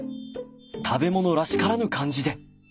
食べ物らしからぬ感じで！